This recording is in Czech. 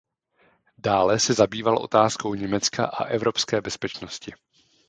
Dále se zabýval otázkou Německa a evropské bezpečnosti.